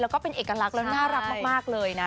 แล้วก็เป็นเอกลักษณ์แล้วน่ารักมากเลยนะ